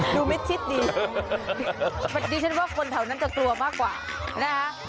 มิดชิดดีดิฉันว่าคนแถวนั้นจะกลัวมากกว่านะคะ